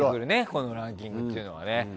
このランキングっていうのはね。